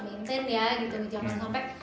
maintain ya gitu jangan sampai